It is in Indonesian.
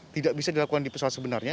tidak bisa dilakukan di pesawat sebenarnya